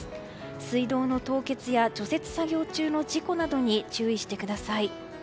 水道の凍結や除雪作業中の事故などに注意してください。